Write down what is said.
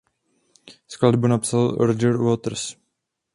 Skladbu napsal Roger Waters.